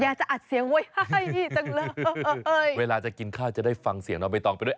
จะอัดเสียงไว้ให้จังเลยเวลาจะกินข้าวจะได้ฟังเสียงน้องใบตองไปด้วย